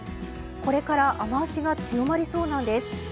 これから雨脚が強まりそうなんです。